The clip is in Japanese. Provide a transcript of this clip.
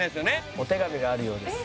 お手紙があるようです。